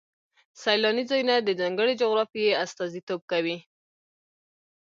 سیلاني ځایونه د ځانګړې جغرافیې استازیتوب کوي.